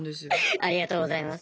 ありがとうございます。